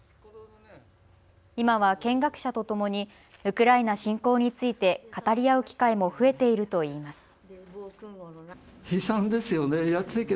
今は見学者とともにウクライナ侵攻について語り合う機会も増えているといいます。